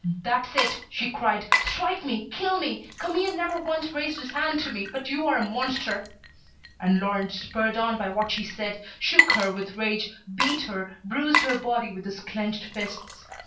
"That's it," she cried, "strike me, kill me! Camille never once raised his hand to me, but you are a monster." And Laurent, spurred on by what she said, shook her with rage, beat her, bruised her body with his clenched fists.